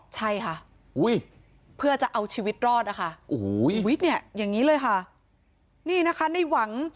ใช่ค่ะเพื่อจะเอาชีวิตรอดอ่ะค่ะอย่างงี้เลยค่ะนี่นะคะในหวัง